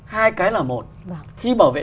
hai cái là một khi bảo vệ